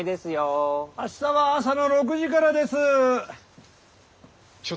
明日は朝の６時からですゥーっ。